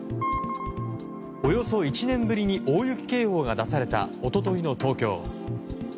およそ１年ぶりに大雪警報が出された一昨日の東京。